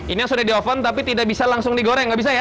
ini yang sudah di oven tapi tidak bisa langsung digoreng nggak bisa ya